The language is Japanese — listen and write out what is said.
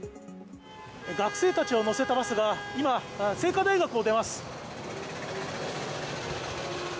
学生たちを乗せたバスが今、清華大学を出ます。